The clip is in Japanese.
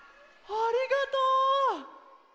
ありがとう！